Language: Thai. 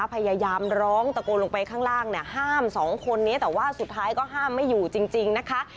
พยายามร้องตะโกนลงไปข้างล่างเนี่ยห้ามสองคนนี้แต่ว่าสุดท้ายก็ห้ามไม่อยู่จริงนะคะ